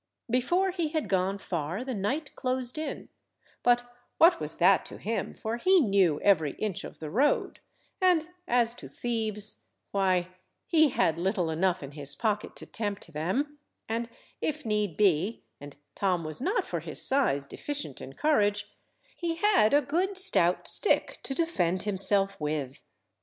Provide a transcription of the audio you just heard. Before he had gone far the night closed in; but what was that to him, for he knew every inch of the road; and as to thieves, why, he had little enough in his pocket to tempt them, and if need be—and Tom was not for his size deficient in courage—he had a good stout stick to defend himself with.